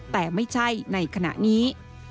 แต่ไม่ใช่ในขณะนี้